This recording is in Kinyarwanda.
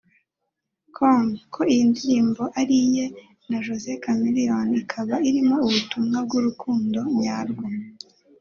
com ko iyi ndirimbo ari iye na Jose Chameleone ikaba irimo ubutumwa bw'urukundo nyarwo